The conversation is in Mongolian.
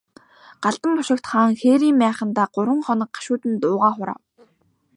Галдан бошигт хаан хээрийн майхандаа гурван хоног гашуудан дуугаа хураав.